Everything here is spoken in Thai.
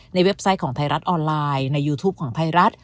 เว็บไซต์ของไทยรัฐออนไลน์ในยูทูปของไทยรัฐ